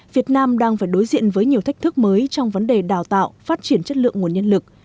việt nam đang phải đối diện với nhiều thách thức mới trong vấn đề đào tạo phát triển chất lượng nguồn nhân lực